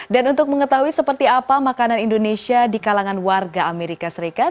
dan untuk mengetahui seperti apa makanan indonesia di kalangan warga amerika serikat